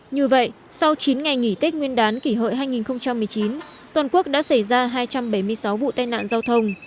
như vậy sau chín ngày nghỉ tết nguyên đán kỷ hợi hai nghìn một mươi chín toàn quốc đã xảy ra hai trăm bảy mươi sáu vụ tai nạn giao thông